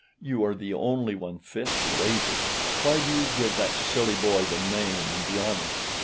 You are the only one fit to raise it; why do you give that silly boy the name and the honor?